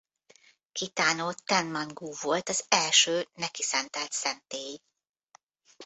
Kitano Tenman-gú volt az első neki szentelt szentély.